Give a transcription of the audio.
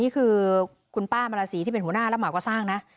นี่คือคุณป้ามราศีที่เป็นหัวหน้ารับเหมาก่อสร้างนะ